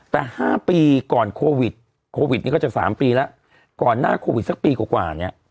แต่๕ปีก่อนโควิดโควิดนี้ก็จะ๓ปีแล้วก่อนหน้าโควิดสักปีกว่าเนี่ย